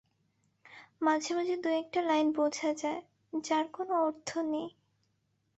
মাঝে-মাঝে দু- একটা লাইন বোঝা যায়, যার কোনো অর্থ নেই।